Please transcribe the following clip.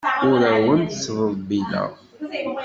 Ur awent-ttḍebbileɣ.